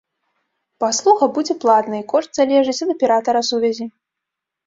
Паслуга будзе платнай, кошт залежыць ад аператара сувязі.